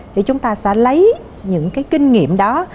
thì chúng ta sẽ lấy những kinh nghiệm đó